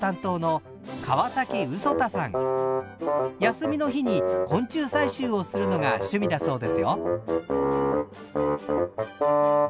休みの日に昆虫採集をするのが趣味だそうですよ。